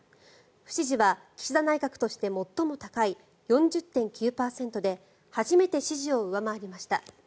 不支持は岸田内閣として最も高い４０．９％で初めて支持を上回りました。